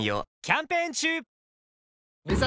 キャンペーン中！